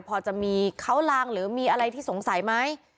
พอจะมีเขาลางหรือมีอะไรที่สงสัยไหม